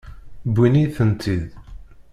Wwin-iyi-tent-id.